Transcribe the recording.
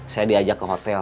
saya diajak ke hotel